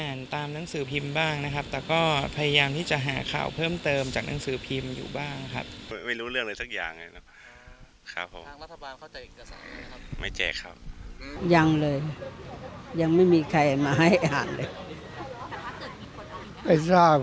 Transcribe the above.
อันนี้เจ็ดสิบหานี่ครับ